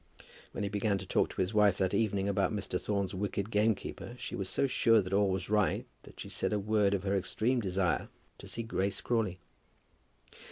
When he began to talk to his wife that evening about Mr. Thorne's wicked gamekeeper, she was so sure that all was right, that she said a word of her extreme desire to see Grace Crawley.